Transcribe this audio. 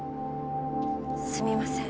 すみません。